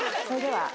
それでは。